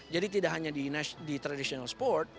jadi tidak hanya di traditional sport